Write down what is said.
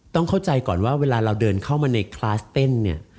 ต้องเข้าใจก่อนว่าเวลาเราเดินเข้ามาในคลาสเต้นเนี่ย